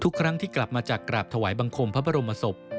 ทุกครั้งที่กลับมาจากกราบถวายบังคมพระบรมศพ